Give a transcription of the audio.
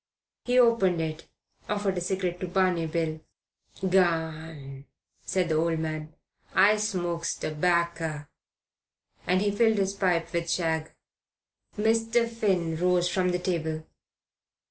He opened it, offered a cigarette to Barney Bill. "Garn!" said the old man. "I smokes terbakker," and he filled his pipe with shag. Mr. Finn rose from the table.